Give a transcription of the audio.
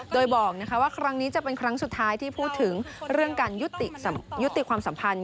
โดยบอกว่าครั้งนี้จะเป็นครั้งสุดท้ายที่พูดถึงเรื่องการยุติความสัมพันธ์